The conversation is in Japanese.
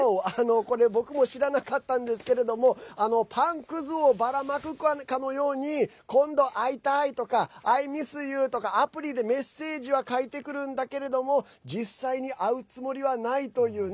これ僕も知らなかったんですけれどもパンくずをばらまくかのように今度、会いたいとかＩｍｉｓｓｙｏｕとかアプリでメッセージは書いてくるんだけど実際に会うつもりはないというね。